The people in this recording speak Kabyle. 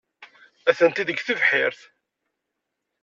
Atenti deg tebḥirt.